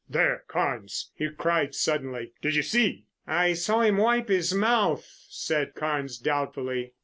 "There, Carnes!" he cried suddenly. "Did you see?" "I saw him wipe his mouth," said Carnes doubtfully.